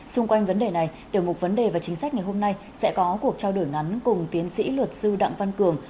xung quanh vấn đề này tiểu mục vấn đề và chính sách ngày hôm nay sẽ có cuộc trao đổi ngắn cùng tiến sĩ luật sư đặng văn cường